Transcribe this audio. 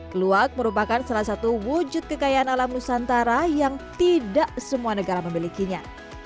keluak merupakan salah satu wujud kekayaan alam nusantara yang tidak semua negara memilikinya